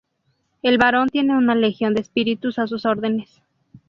El Barón tiene una legión de espíritus a sus órdenes.